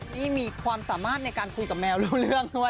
นี่มีความสามารถในการคุยกับแมวรู้เรื่องด้วย